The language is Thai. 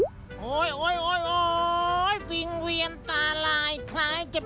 กลมนี้นะครับกลมนี้นะครับ